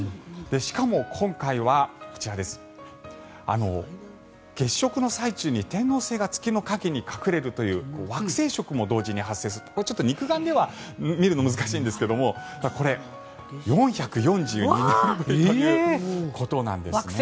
しかも今回は月食の最中に天王星が月の影に隠れるという惑星食も同時に発生するこれは肉眼では見るのは難しいんですがただこれ、４４２年ぶりということなんですね。